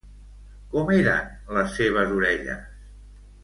Com eren les seves orelles?